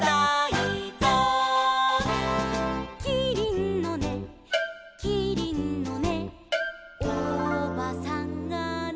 「キリンのねキリンのねおばさんがね」